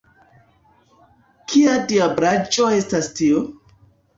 Kia diablaĵo estas tio?